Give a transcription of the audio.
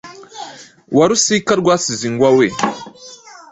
wa rusika rwasizwe ingwa we.